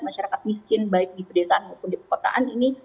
masyarakat miskin baik di pedesaan maupun di perkotaan ini